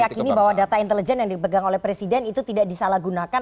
jadi anda meyakini bahwa data intelijen yang dipegang oleh presiden itu tidak disalahgunakan